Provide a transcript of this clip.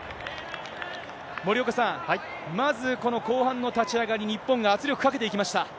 森岡さん、まずこの後半の立ち上がり、日本が圧力かけていきました。